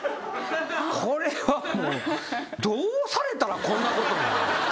これはもうどうされたらこんなことになる。